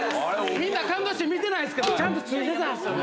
みんな感動して見てないけど、ちゃんとついてたんですよね。